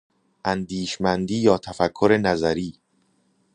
اندیشمندی یا تفکر نظری